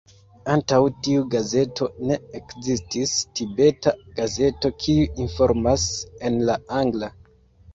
Antaŭ tiu gazeto, ne ekzistis Tibeta gazeto kiu informas en la angla.